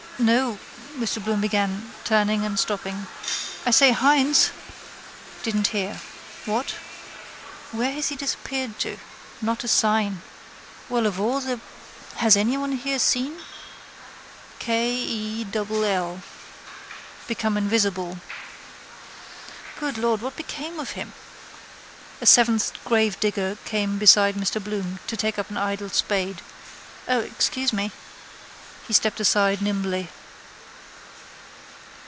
—No, Mr Bloom began, turning and stopping. I say, Hynes! Didn't hear. What? Where has he disappeared to? Not a sign. Well of all the. Has anybody here seen? Kay ee double ell. Become invisible. Good Lord, what became of him? A seventh gravedigger came beside Mr Bloom to take up an idle spade. —O, excuse me! He stepped aside nimbly.